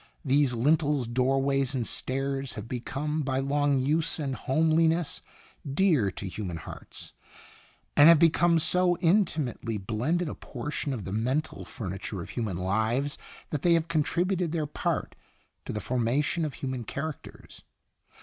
These lintels, doorways, and stairs have become, by long use and homeliness, dear to human hearts, and Itinerant Ijanse. 23 have become so intimately blended a portion of the mental furniture of human lives, that they have con tributed their part to the formation of human char acters.